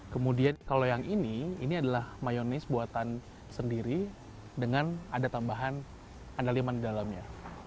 kemudian kalau yang ini ini adalah mayonis buatan sendiri dengan ada tambahan andaliman di dalamnya